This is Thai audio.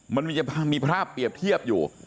มันมีภาพเปรียบเทียบอยู่